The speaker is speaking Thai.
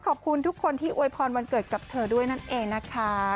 ขอบคุณทุกคนที่อวยพรวันเกิดกับเธอด้วยนั่นเองนะคะ